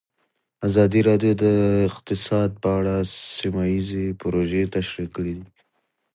ازادي راډیو د اقتصاد په اړه سیمه ییزې پروژې تشریح کړې.